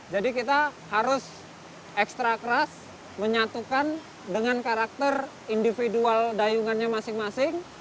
jadi kita harus ekstra keras menyatukan dengan karakter individual dayungannya masing masing